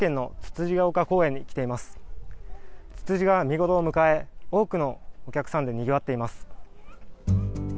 ツツジが見頃を迎え多くのお客さんでにぎわっています。